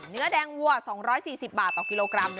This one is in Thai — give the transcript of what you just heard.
เนื้อแดงวัว๒๔๐บาทต่อกิโลกรัม